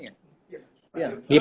di pandagelang banten